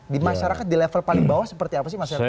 di masyarakat di level paling bawah seperti apa sih mas hendra